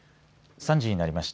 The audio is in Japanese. ３時になりました。